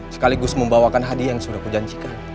sekaligus membawakan hadiah yang sudah kujanjikan